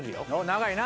長いな！